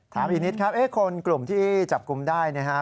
อีกนิดครับคนกลุ่มที่จับกลุ่มได้นะครับ